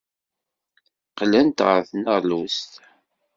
Qqlent ɣer tneɣlust.